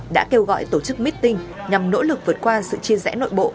đã kêu gọi tổ chức meeting nhằm nỗ lực vượt qua sự chia rẽ nội bộ